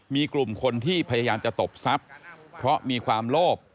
มีกลุ่มคนที่พยายามจะตบทรัพย์เพราะมีความโลภ